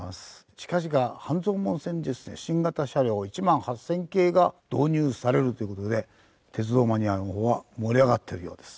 近々半蔵門線にですね新型車両１８０００系が導入されるという事で鉄道マニアの方は盛り上がってるようです。